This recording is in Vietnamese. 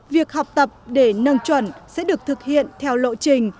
việc học tập để nâng chuẩn sẽ được thực hiện theo lộ trình